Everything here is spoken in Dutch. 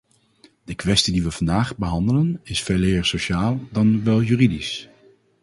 De kwestie die we vandaag behandelen is veeleer sociaal dan wel juridisch.